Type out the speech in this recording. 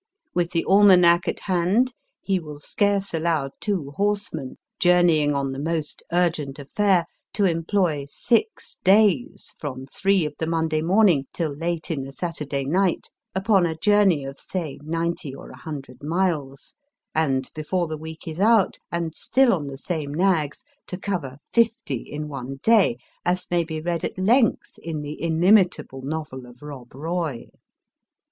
With the almanack at hand, he will scarce allow two horsemen, journeying on the most urgent affair, to employ six days, from three of the Monday morning till late in the Saturday night, upon a journey of, say, ninety or a hundred miles, and before the week is out, and still on the same nags, to cover fifty in one day, as may be read at length in the in imitable novel of Rob Roy.